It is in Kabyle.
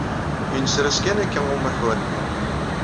Inser-as kan akka umakar-nni.